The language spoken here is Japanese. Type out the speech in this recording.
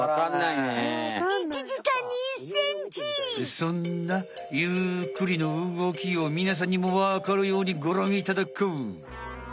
そんなゆっくりの動きをみなさんにもわかるようにごらんいただこう！